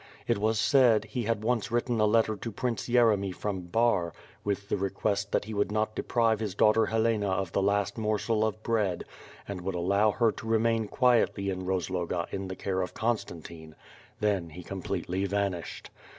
It was said, he had once written a letter to Prince Yeremy from Bar with the request that he would not deprive his daughter Helena of the last morsel of bread, and would allow her to remain quietly in Rozloga in the care of Constantine — then he completely vanished.